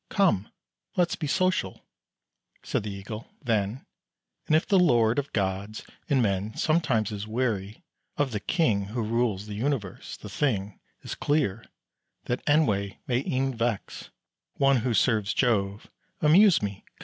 "Come, let's be social," said the Eagle, then; "And if the lord of gods and men Sometimes is weary of the king Who rules the universe, the thing Is clear, that ennui may e'en vex One who serves Jove. Amuse me!